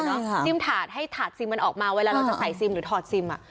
จิ้มถาดให้ถาดซิมมันออกมาเวลาเราจะใส่ซิมหรือถอดซิมอ่ะ